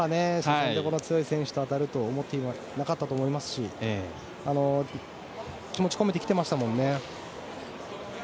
こんなに強い選手と当たるとは思っていなかったと思いますし気持ちを込めてきてましたもんね。